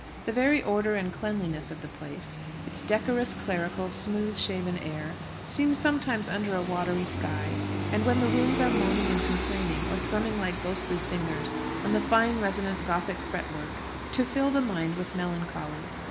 The very order and cleanliness of the place its decorous, clerical, smooth shaven air seem sometimes under a watery sky, and when the winds are moaning and complaining, or thrumming like ghostly fingers on the fine resonant Gothic fret work, to fill the mind with melancholy.